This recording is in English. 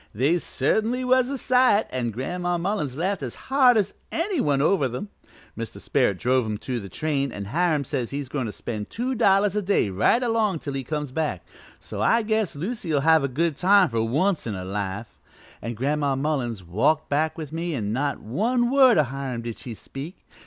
They certainly was a sight, an' Gran'ma Mullins laughed as hard as any one over them. Mr. Sperrit drove 'em to the train, an' Hiram says he's goin' to spend two dollars a day right along till he comes back; so I guess Lucy'll have a good time for once in her life. An' Gran'ma Mullins walked back with me an' not one word o' Hiram did she speak.